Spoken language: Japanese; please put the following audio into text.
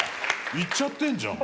行っちゃってんじゃん！